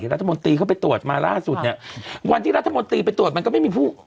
รัฐมนตรีเข้าไปตรวจมาล่าสุดเนี่ยวันที่รัฐมนตรีไปตรวจมันก็ไม่มีผู้